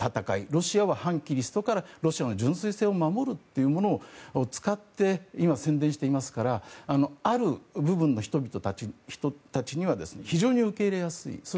ロシアは反キリストからロシアの純粋性を守るということを使って今、宣伝していますからある部分の人たちには非常に受け入れやすいんです。